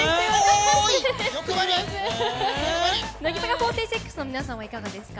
乃木坂４６の皆さんはいかがですか？